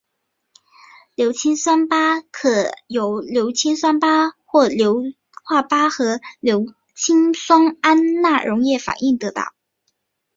硫氰酸钯可由硝酸钯或氯化钯和硫氰酸铵溶液反应得到。